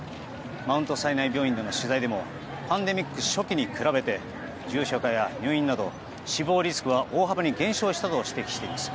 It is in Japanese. マウントサイナイ病院での取材でもパンデミック初期に比べて重症化や入院など死亡リスクは大幅に減少したと指摘しています。